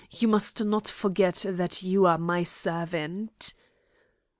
You must not forget that you are my servant."